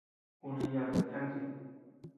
Kuneyatad yana ti.